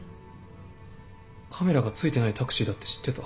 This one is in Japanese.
カメラがついてないタクシーだって知ってた？